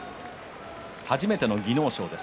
初めての技能賞です。